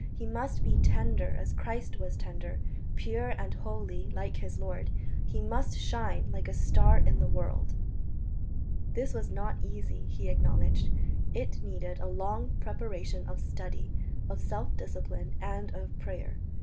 He must be tender as Christ was tender, pure and holy like his Lord; he must shine like a star in the world." This was not easy, he acknowledged; it needed a long preparation of study, of self discipline and of prayer.